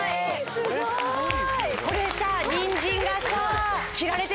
すごい！